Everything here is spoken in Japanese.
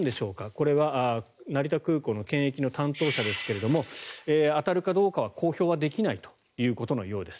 これは成田空港の検疫の担当者ですが当たるかどうか、公表はできないということのようです。